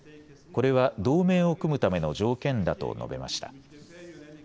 これは同盟を組むための条件だと述べました。